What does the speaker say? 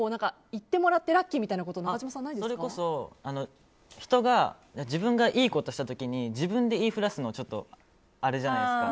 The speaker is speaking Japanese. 言ってもらってラッキーみたいなことそれこそ自分がいいことした時に自分で言いふらすのはちょっとあれじゃないですか。